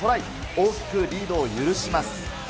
大きくリードを許します。